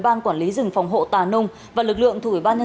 ban quản lý rừng phòng hộ tà nông